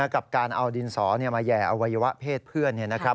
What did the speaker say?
กับการเอาดินสอเนี่ยมาแย่อวัยวะเพศเพื่อนเนี่ยนะครับ